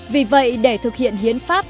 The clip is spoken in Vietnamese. vì vậy để thực hiện hiến pháp